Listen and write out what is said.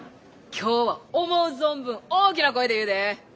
今日は思う存分大きな声で言うで。